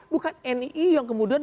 bukan nii yang kemudian